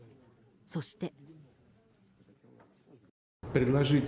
そして。